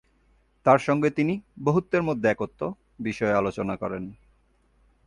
তাঁর সঙ্গে তিনি ‘বহুত্বের মধ্যে একত্ব’ বিষয়ে আলোচনা করেন।